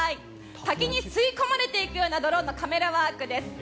滝に吸い込まれていくようなドローンのカメラワークです。